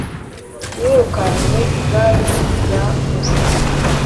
yirukanye igare rya postie